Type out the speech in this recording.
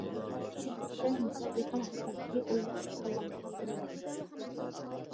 شۇنىڭ بىلەن مۇسابىقە ھەققىدىكى ئويلار كاللامغا كىرىۋالدى.